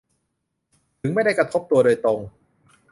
ถึงไม่ได้กระทบตัวโดยตรง